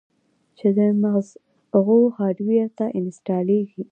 چې د مزغو هارډوئېر ته انسټاليږي